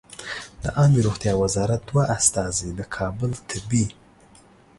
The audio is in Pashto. د عامې روغتیا وزارت دوه استازي د کابل طبي